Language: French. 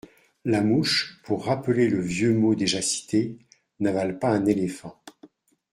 La mouche, pour rappeler le vieux mot déjà cité, n'avale pas un éléphant.